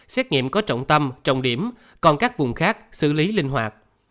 xét nghiệm có trọng tâm trọng điểm còn các vùng khác xử lý linh hoạt